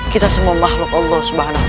kita semua makhluk allah